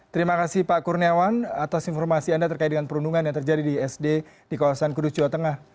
terima kasih pak kurniawan atas informasi anda terkait dengan perundungan yang terjadi di sd di kawasan kudus jawa tengah